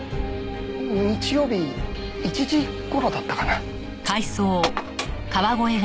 日曜日１時頃だったかな？